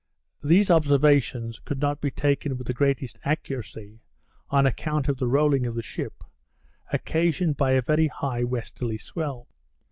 These observations could not be taken with the greatest accuracy, on account of the rolling of the ship, occasioned by a very high westerly swell.